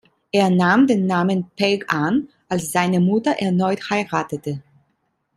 Er nahm den Namen Pegg an, als seine Mutter erneut heiratete.